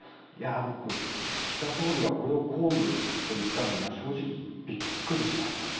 僕、岸田総理がこれを公務と言ったのには正直、びっくりしました。